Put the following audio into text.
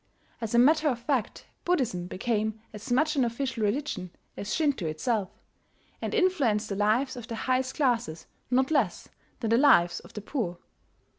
As a matter of fact Buddhism became as much an official religion as Shinto itself, and influenced the lives of the highest classes not less than the lives of the poor.